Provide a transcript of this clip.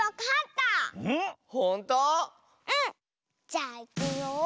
じゃあいくよ。